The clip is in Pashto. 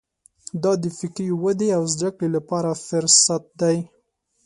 دا د فکري ودې او زده کړې لپاره فرصت دی.